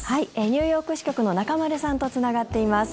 ニューヨーク支局の中丸さんとつながっています。